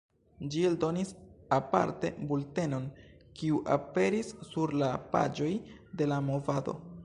Ĝi eldonis aparte bultenon, kiu aperis sur la paĝoj de La Movado.